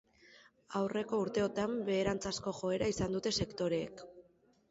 Aurreko urteotan beheranzko joera izan dute sektoreok.